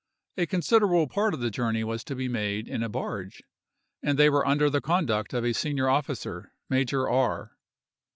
A considerable part of the journey was to be made in a barge, and they were under the conduct of a senior officer, Major R——.